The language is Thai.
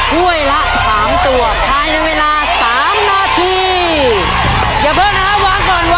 แกะโฮยเชอรี่จำนวนสิบแปดกล้วย